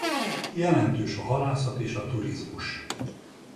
Jelentős a halászat és a turizmus.